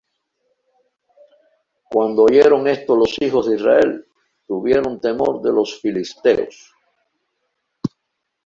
Cuando oyeron esto los hijos de Israel, tuvieron temor de los filisteos.